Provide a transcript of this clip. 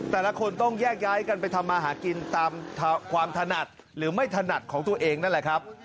แต่ละคนต้องแยกย้ายกันไปทำมาหากินตามความถนัดหรือไม่ถนัดของตัวเองนั่นแหละครับ